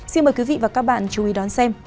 xin mời quý vị và các bạn chú ý đón xem